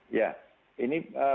ini bagian dari proses